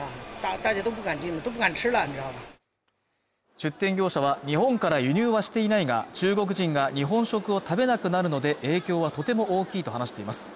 出展業者は日本から輸入はしていないが中国人が日本食を食べなくなるので影響はとても大きいと話しています